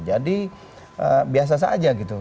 jadi biasa saja gitu